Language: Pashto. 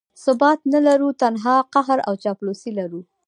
ثبات نه لرو، تنها قهر او چاپلوسي لرو.